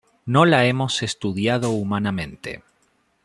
No la hemos estudiado humanamente.